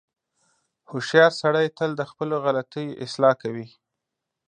• هوښیار سړی تل د خپلو غلطیو اصلاح کوي.